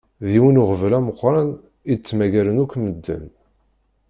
D yiwen uɣbel ameqqran i d-ttmagaren akk meden.